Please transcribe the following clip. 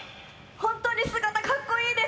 本当に姿、かっこいいです。